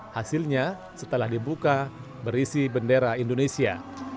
hasilnya setelah dibuka berisi bendera indonesia